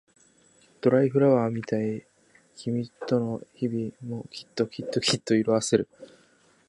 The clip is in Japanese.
ドライフラワーみたい君との日々もきっときっときっと色あせる